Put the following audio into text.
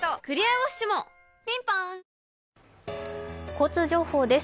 交通情報です。